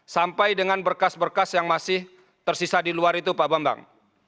sampai dengan berkas berkas yang masih tersisa di luar itu pak bambang